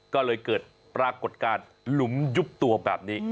ก็เลยเกิดปรากฏการณ์หลุมยุบตัวแบบนี้